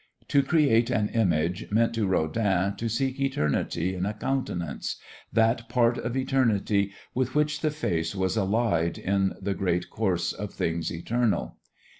To create an image meant to Rodin to seek eternity in a countenance, that part of eternity with which the face was allied in the great course of things eternal.